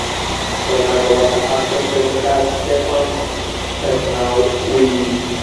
কন্যার বাবা তার প্রাক্তন প্রেমিকা স্টেফান সেদনাউয়ি।